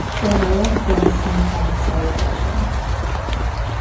There may have been some kind of celebration.